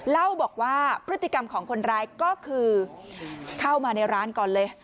เล่าบอกว่าพฤติกรรมของคนร้ายก็คือเข้ามาในร้านก่อนเลย